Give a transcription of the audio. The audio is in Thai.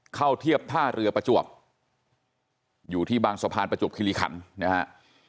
เทียบท่าเรือประจวบอยู่ที่บางสะพานประจวบคิริขันนะฮะ